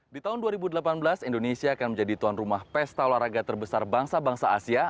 di tahun dua ribu delapan belas indonesia akan menjadi tuan rumah pesta olahraga terbesar bangsa bangsa asia